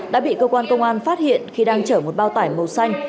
đã bị cơ quan công an phát hiện khi đang chở một bao tải màu xanh